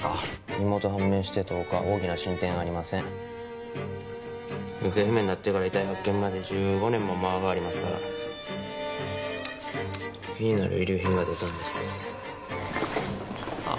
身元判明して１０日大きな進展ありません行方不明になってから遺体発見まで１５年も間がありますから気になる遺留品が出たんですああ